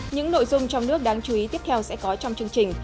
những nội dung trong nước đáng chú ý tiếp theo sẽ có trong chương trình